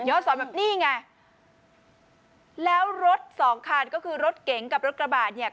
้อสอนแบบนี้ไงแล้วรถสองคันก็คือรถเก๋งกับรถกระบาดเนี่ย